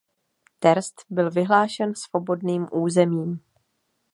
Terst byl vyhlášen svobodným územím.